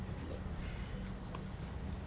jadi ini bulan juli sampai september